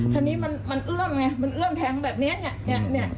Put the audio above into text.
ทีนี้มันเอื้อมไงมันเอื้อมแทงแบบนี้เนี่ย